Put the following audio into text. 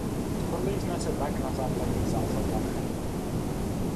Shodli jsme se tak na základních zásadách.